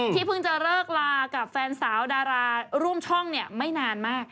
เพิ่งจะเลิกลากับแฟนสาวดาราร่วมช่องไม่นานมาก